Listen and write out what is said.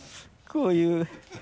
こういう。